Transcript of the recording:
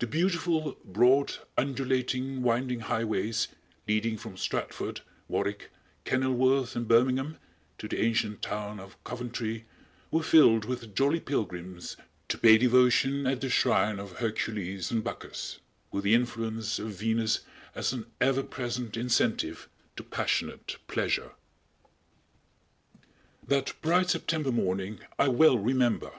The beautiful, broad, undulating, winding highways, leading from Stratford, Warwick, Kenilworth and Birmingham to the ancient town of Coventry were filled with jolly pilgrims to pay devotion at the shrine of Hercules and Bacchus, with the influence of Venus as an ever present incentive to passionate pleasure. That bright September morning I well remember!